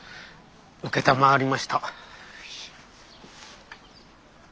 承りました。